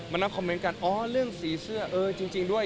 นั่งคอมเมนต์กันอ๋อเรื่องสีเสื้อเออจริงด้วย